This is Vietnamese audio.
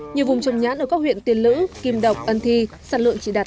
nhiều vùng trong nhãn ở các huyện tiền lữ kim độc ấn thi sản lượng chỉ đạt hai mươi